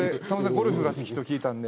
ゴルフが好きと聞いたんで。